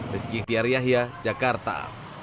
rizky tiar yahya jakarta